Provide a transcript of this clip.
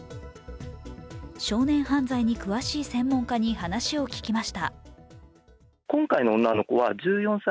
少年犯罪に詳しい専門家に話を聞きました。